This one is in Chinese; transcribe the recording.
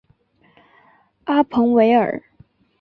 阿彭维尔。